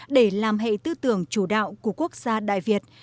để làm hệ tư tưởng chủ đạo của quốc gia đại việt